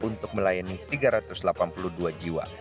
untuk melayani tiga ratus delapan puluh dua jiwa